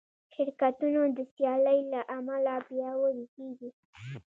شرکتونه د سیالۍ له امله پیاوړي کېږي.